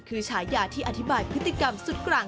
คือฉายาที่อธิบายพฤติกรรมสุดกลาง